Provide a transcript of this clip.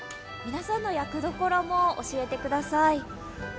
皆さんの役どころも教えてください。